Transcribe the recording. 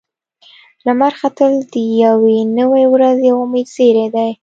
لمر ختل د یوې نوې ورځې او امید زیری دی.